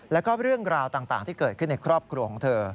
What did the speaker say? แล้วก็เรื่องราวต่างที่เกิดขึ้นในครอบครัวของเธอ